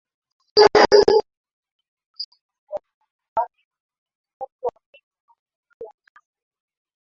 Samia ameahidi kwamba katika uongozi wake atahakikisha kuwa Kenya inabaki kuwa ndugu